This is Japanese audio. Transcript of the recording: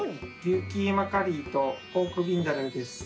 牛キーマカリーとポークビンダルーです。